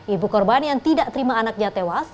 ibu korban yang tidak terima anaknya tewas